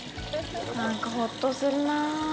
なんかほっとするなあ。